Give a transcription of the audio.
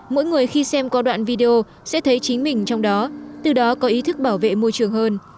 mỗi người khi xem có đoạn video sẽ thấy chính mình trong đó từ đó có ý thức bảo vệ môi trường hơn